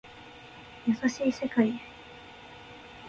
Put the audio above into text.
優しい世界へ